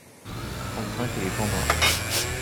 trente cinq éléphants noirs.